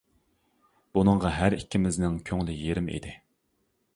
بۇنىڭغا ھەر ئىككىمىزنىڭ كۆڭلى يېرىم ئىدى.